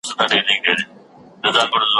زړه د نورو په يادولو ځورېږي .